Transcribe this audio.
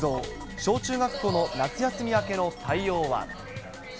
小中学校の夏休み明けの対応は。